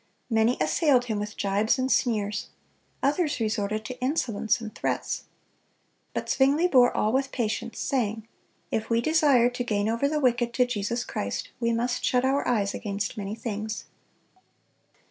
Many assailed him with gibes and sneers; others resorted to insolence and threats. But Zwingle bore all with patience, saying, "If we desire to gain over the wicked to Jesus Christ, we must shut our eyes against many things."